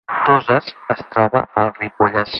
Toses es troba al Ripollès